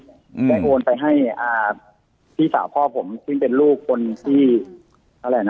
ได้โอนไปให้พี่สาวพ่อผมที่เป็นลูกคนที่อะไรนะ๕